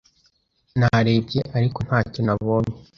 Narebye, ariko ntacyo nabonye.